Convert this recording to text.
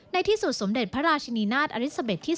ในที่สุดสมเด็จพระราชนีนาฏอลิซาเบ็ดที่๒